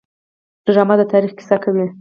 ډرامه د تاریخ کیسه کوي